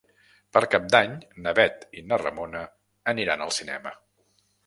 Per Cap d'Any na Bet i na Ramona aniran al cinema.